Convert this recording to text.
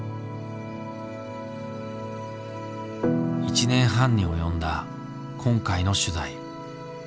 １年半に及んだ今回の取材。